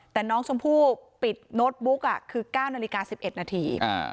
แต่น้องชมพู่ปิดโน้ตบุ๊กคือ๙นาฬิกา๑๑นาที